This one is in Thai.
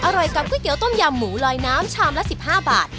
อร่อยกับก๋วยเกี๊ยวต้มยำหมูลอยน้ำชามละสิบห้าบาท